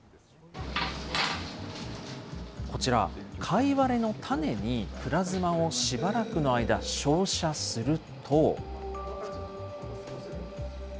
こちら、カイワレの種にプラズマをしばらくの間、照射すると。